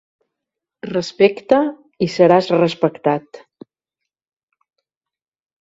Respecta i seràs respectat.